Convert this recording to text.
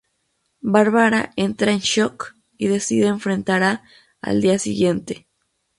Barbara entra en "shock" y decide enfrentara al día siguiente.